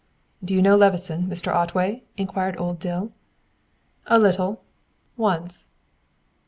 "Do you know Levison, Mr. Otway?" inquired old Dill. "A little. Once."